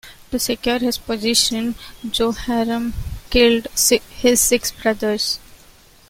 To secure his position Jehoram killed his six brothers.